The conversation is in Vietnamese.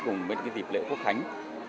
cùng với dịp lễ quốc khánh